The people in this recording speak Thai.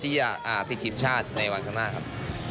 ที่จะติดทีมชาติในวันข้างหน้าครับ